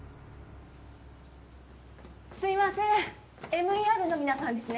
すいませんＭＥＲの皆さんですね？